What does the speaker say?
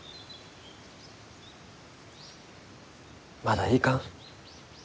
まだいかん。